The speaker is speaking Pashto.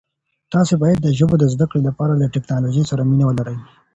تاسي باید د ژبو د زده کړې لپاره له ټکنالوژۍ سره مینه ولرئ.